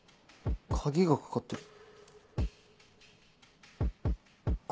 鍵が掛かってる。